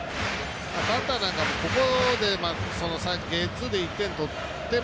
バッターなんかゲッツーで１点取っても